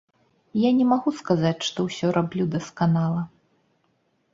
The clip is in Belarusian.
Я не магу сказаць, што ўсё раблю дасканала.